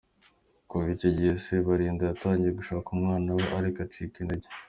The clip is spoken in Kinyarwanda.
Kuva icyo gihe Sebarinda yatangiye gushaka umwana we ariko acika intege.